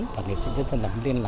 và nghệ sĩ nhân dân đàm liên